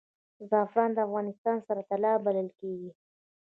زعفران د افغانستان سره طلا بلل کیږي